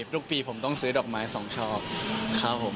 ทุกปีผมต้องซื้อดอกไม้๒ช่อครับผม